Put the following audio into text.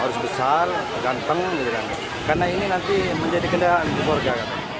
harus besar ganteng karena ini nanti menjadi kendaraan untuk warga